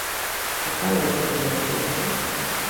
¿E cal é o contexto hoxe?